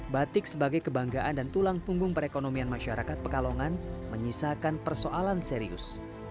batik sebagai kebanggaan dan tulang punggung perekonomian masyarakat pekalongan menyisakan persoalan serius